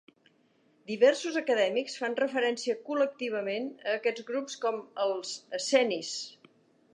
Diversos acadèmics fan referència col·lectivament a aquests grups com els "essenis".